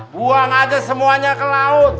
buang aja semuanya ke laut